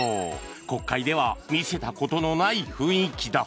国会では見せたことのない雰囲気だ。